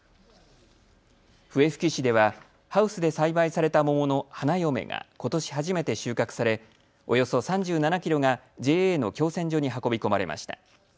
笛吹市ではハウスで栽培された桃のはなよめがことし初めて収穫されおよそ３７キロがＪＡの共選所に運び込まれました。